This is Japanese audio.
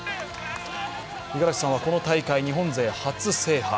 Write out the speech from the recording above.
五十嵐さんはこの大会、日本勢初制覇。